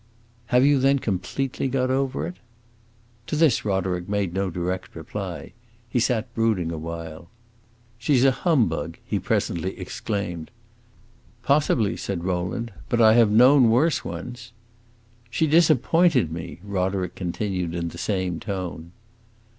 "Have you, then, completely got over it?" To this Roderick made no direct reply; he sat brooding a while. "She 's a humbug!" he presently exclaimed. "Possibly!" said Rowland. "But I have known worse ones." "She disappointed me!" Roderick continued in the same tone.